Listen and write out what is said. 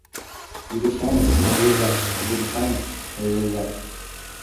- Ӱдыр-шамыч, ойлыза, рвезе-шамыч, ойлыза